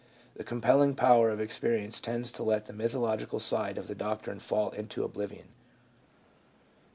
The compelling power of experience tends to let the mythi cal side of the doctrine fall into oblivion.